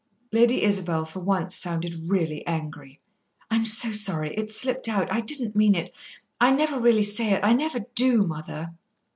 Lady Isabel for once sounded really angry. "I'm so sorry; it slipped out I didn't mean it I never really say it. I never do, mother."